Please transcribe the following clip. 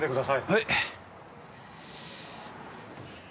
はい！